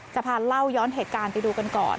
จะพาเล่าย้อนเหตุการณ์ไปดูกันก่อน